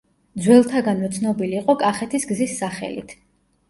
ძველთაგანვე ცნობილი იყო კახეთის გზის სახელით.